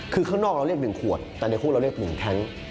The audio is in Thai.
คือข้างนอกเราเรียก๑ขวดแต่ในคู่เราเรียก๑แท้ง